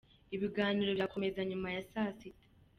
Ibiganiro birakomeza nyuma ya saa sita.